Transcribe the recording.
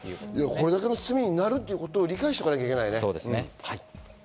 これだけの罪になることを理解しておかなきゃいけないね。